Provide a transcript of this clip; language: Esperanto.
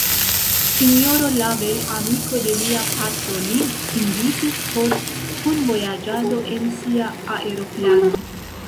S-ro Lavel, amiko de lia patro, lin invitis por kunvojaĝado en sia aeroplano.